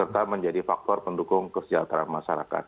dan menjadi faktor pendukung kesejahteraan masyarakat